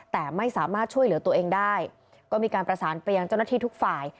แต่ไม่สามารถช่วยเหลือตัวเองได้ก็มีการประสานไปยังเจ้าหน้าที่ทุกฝ่าย